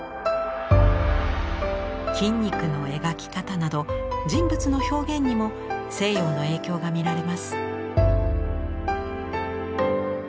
筋肉の描き方など人物の表現にも西洋の影響が見られます。